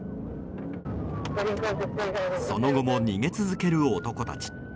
その後も逃げ続ける男たち。